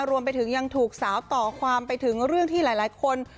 รวมไปถึงยังถูกสาวต่อความไปถึงเรื่องที่หลายคน